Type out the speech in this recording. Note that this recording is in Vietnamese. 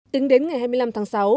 tính đến ngày hai mươi năm tháng sáu